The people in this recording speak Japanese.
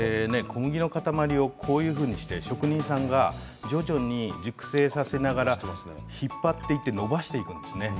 小麦の塊を、職人さんが徐々に熟成させながら引っ張っていってのばしていくんですね。